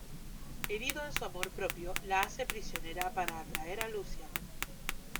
Herido en su amor propio la hace prisionera para atraer a Lucian.